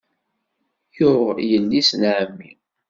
Yuɣ yelli-s n ɛemmi.